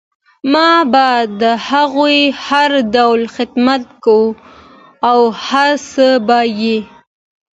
ما به د هغو هر ډول خدمت کوه او هر څه به یې